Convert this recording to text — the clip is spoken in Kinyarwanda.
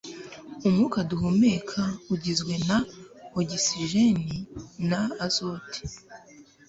umwuka duhumeka ugizwe na ogisijeni na azote